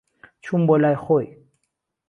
چووم بۆ لای خۆی.